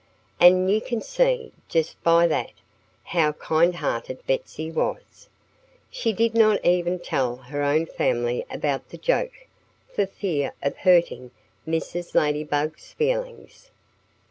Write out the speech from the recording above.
And you can see, just by that, how kind hearted Betsy was. She did not even tell her own family about the joke, for fear of hurting Mrs. Ladybug's feelings.